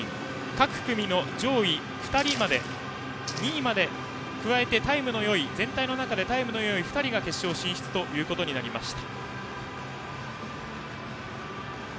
各組の上位２人まで加えて全体の中でタイムのよい２人が決勝進出となりました。